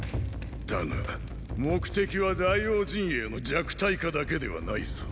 だが目的は大王陣営の弱体化だけではないぞ。